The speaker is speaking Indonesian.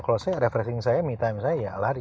kalau saya refreshing saya me time saya ya lari